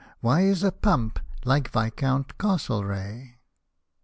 Quest, Why is a pump like Viscount Castlereagh